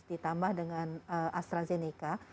ditambah dengan astrazeneca